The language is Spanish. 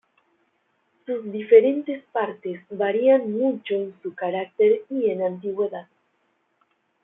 Sus diferentes partes varían mucho en su carácter y en antigüedad.